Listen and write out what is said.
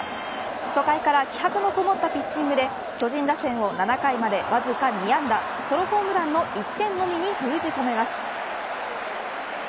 初回から気迫のこもったピッチングで、巨人打線を７回までわずか２安打ソロホームランの１点のみに封じ込めます。